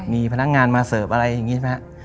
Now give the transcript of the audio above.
มีพนักงานมาเสิร์ฟอะไรอย่างนี้ใช่ไหมครับ